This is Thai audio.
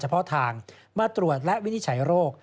เพาะทางมาตรวจและวินิจฉัยโรค